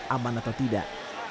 aman atau tidak